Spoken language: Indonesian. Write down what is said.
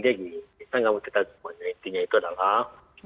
intinya itu adalah